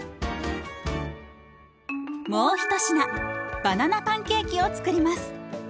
もう一品バナナパンケーキを作ります。